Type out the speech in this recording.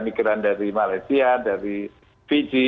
migran dari malaysia dari fiji